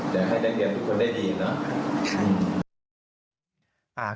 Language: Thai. แต่ให้นักเรียนทุกคนได้ดีเนาะ